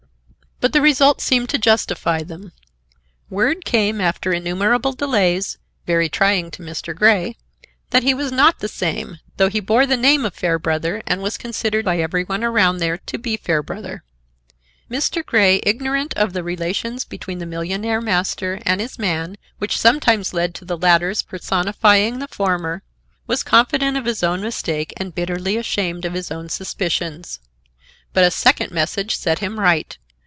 But the result seemed to justify them. Word came after innumerable delays, very trying to Mr. Grey, that he was not the same, though he bore the name of Fairbrother, and was considered by every one around there to be Fairbrother. Mr. Grey, ignorant of the relations between the millionaire master and his man which sometimes led to the latter's personifying the former, was confident of his own mistake and bitterly ashamed of his own suspicions. But a second message set him right.